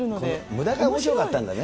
むだがおもしろかったんだね。